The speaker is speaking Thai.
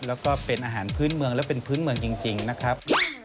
แล้วก็เป็นอาหารพื้นเมืองและเป็นพื้นเมืองจริงนะครับ